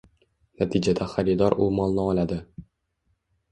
Natijada xaridor u molni oladi.